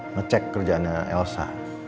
ngecek kerjaannya elsa